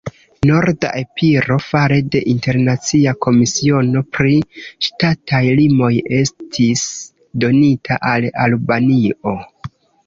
Norda Epiro fare de internacia komisiono pri ŝtataj limoj estis donita al Albanio.